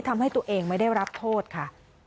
ทำให้ตัวเองไม่ได้รับโทษค่ะ